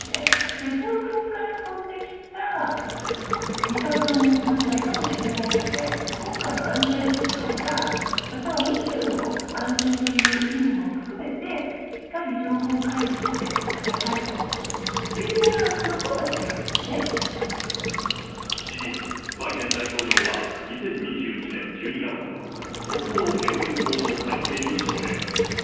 別の国から飛んできた未確認物体かもしれないので、国家の安全保障や、または宇宙の安全という意味も含めて、しっかり情報開示してくださいというニュアンスのほうが強いです事実、バイデン大統領は２０２１年１２月、国防権限法の改正に署名。